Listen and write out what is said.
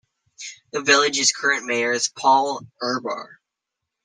The village's current mayor is Paul Ehrbar.